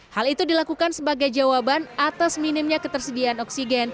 hal itu dilakukan sebagai jawaban atas minimnya ketersediaan oksigen